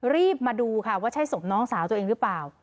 รีบมาดูค่ะว่าใช่ศพน้องสาวตัวเองหรือเปล่า